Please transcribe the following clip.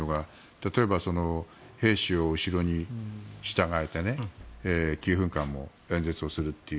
例えば、兵士を後ろに従えて９分間も演説をするという。